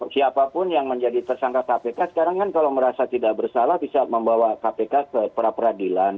siapapun yang menjadi tersangka kpk sekarang kan kalau merasa tidak bersalah bisa membawa kpk ke pra peradilan